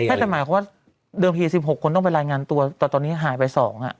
ไม่แต่หมายความว่าเดิมที๑๖คนต้องไปรายงานตัวแต่ตอนนี้หายไป๒